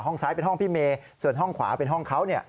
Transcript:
ห้องซ้ายเป็นห้องพี่เมย์ส่วนห้องขวาเป็นห้องเขาเนี่ย